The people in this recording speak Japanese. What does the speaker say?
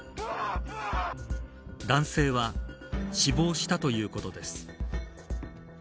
男性は死亡したということです。